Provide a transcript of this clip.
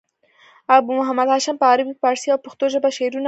ابو محمد هاشم په عربي، پاړسي او پښتو ژبه شعرونه ویل.